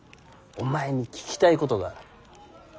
お前に聞きたいことがある。